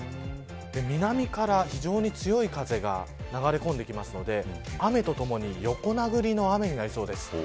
南から非常に強い風が流れ込んでくるので雨とともに横殴りの雨になりそうです。